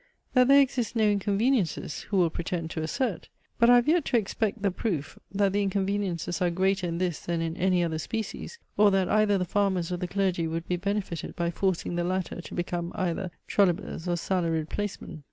That there exist no inconveniences, who will pretend to assert? But I have yet to expect the proof, that the inconveniences are greater in this than in any other species; or that either the farmers or the clergy would be benefited by forcing the latter to become either Trullibers or salaried placemen.